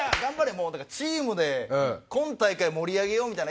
もうだからチームで今大会盛り上げよう！みたいな。